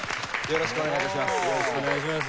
よろしくお願いします。